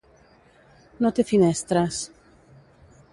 No té finestres.